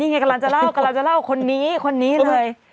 นี่ไงกำลังจะเล่าคนนี้คนนี้เลย